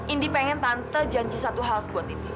indi pengen tante janji satu hal buat ini